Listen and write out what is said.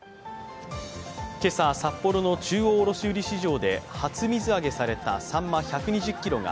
今朝、札幌の中央卸売市場で初水揚げされたさんま１２０ｋｇが